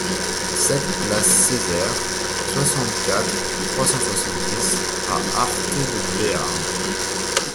sept place Cezaire, soixante-quatre, trois cent soixante-dix à Arthez-de-Béarn